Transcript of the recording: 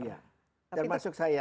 jangan masuk saya